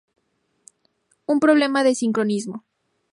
Un problema de sincronismo.